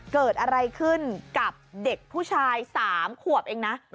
เกิดอะไรขึ้นกับเด็กผู้ชาย๓ขวบเองนะ